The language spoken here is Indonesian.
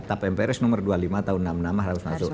tap mprs nomor dua puluh lima tahun enam puluh enam harus masuk